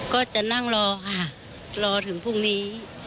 ก็จะนั่งรอค่ะรอถึงพรุ่งนี้